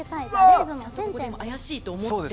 怪しいと思って？